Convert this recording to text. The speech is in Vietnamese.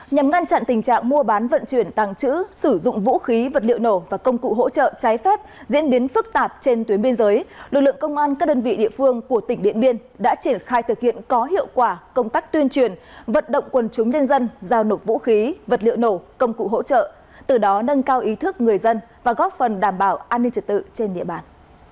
nhằm ngăn chặn tình trạng mua bán vận chuyển tàng trữ sử dụng vũ khí vật liệu nổ và công cụ hỗ trợ trái phép diễn biến phức tạp trên tuyến biên giới lực lượng công an các đơn vị địa phương của tỉnh điện biên đã triển khai thực hiện có hiệu quả công tác tuyên truyền vận động quần chúng nhân dân giao nộp vũ khí vật liệu nổ công cụ hỗ trợ từ đó nâng cao ý thức người dân và góp phần đảm bảo an ninh trật tự trên địa bàn